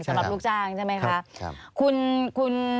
สำหรับลูกจ้างใช่ไหมคะ